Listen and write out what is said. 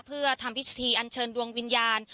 เพื่อทำพิธีอันเชิญดวงวิญญาณ